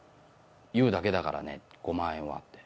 ＹＯＵだけだからね、５万円はって。